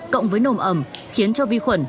cộng với nồm ẩm khiến cho vi khuẩn